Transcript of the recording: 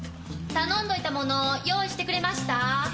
頼んでおいたもの用意してくれました？